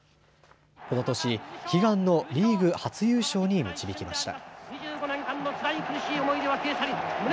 この年、悲願のリーグ初優勝に導きました。